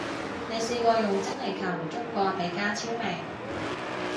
你試過用精靈球捉過比加超未？